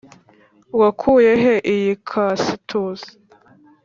wakuye he iyi cactus,